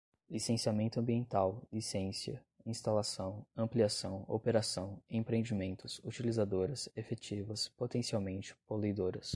licenciamento ambiental, licencia, instalação, ampliação, operação, empreendimentos, utilizadoras, efetivas, potencialmente, poluidoras